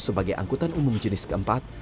sebagai angkutan umum jenis keempat